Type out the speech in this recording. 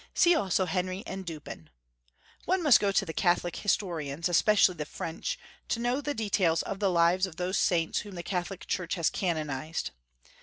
See also Henry and Dupin. One must go to the Catholic historians, especially the French, to know the details of the lives of those saints whom the Catholic Church has canonized.